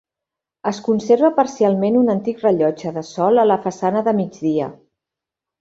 Es conserva parcialment un antic rellotge de sol a la façana de migdia.